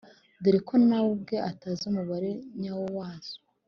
dore ko nawe ubwe atazi umubare nyawo wazo.